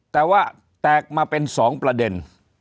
แต่ว่าแตกมาเป็น๒ประเด็น